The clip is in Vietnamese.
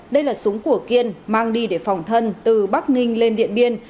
đây là súng của kiên mang đi để phòng thân từ bắc ninh lên điện biên